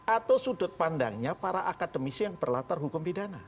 atau sudut pandangnya para akademisi yang berlatar hukum pidana